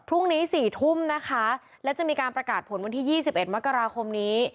พรุ่งนี้๔ทุ่มนะคะและจะมีการประกาศผลวันที่๒๑มกราคมนี้